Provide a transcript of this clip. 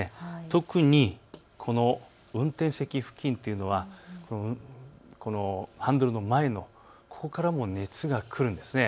特に運転席付近というのはハンドルの前のここからも熱が来るんです。